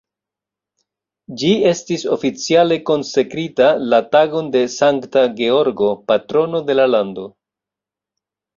Ĝi estis oficiale konsekrita la tagon de Sankta Georgo, patrono de la lando.